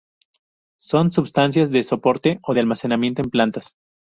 Son substancias de soporte o de almacenamiento en las plantas.